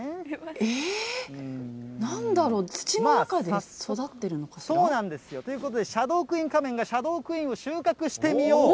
なんだろう、そうなんですよ。ということで、シャドークイーン仮面が、シャドークイーンを収穫してみよう。